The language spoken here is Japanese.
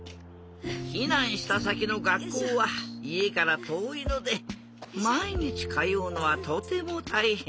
ひなんしたさきのがっこうはいえからとおいのでまいにちかようのはとてもたいへん。